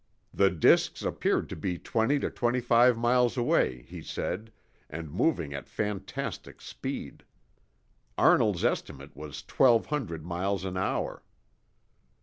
The disks appeared to be twenty to twenty five miles away, he said, and moving at fantastic speed. Arnold's estimate was twelve hundred miles an hour.